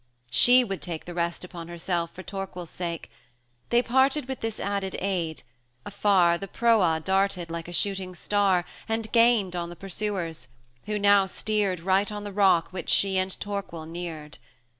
She would take The rest upon herself for Torquil's sake. 40 They parted with this added aid; afar, The Proa darted like a shooting star, And gained on the pursuers, who now steered Right on the rock which she and Torquil neared.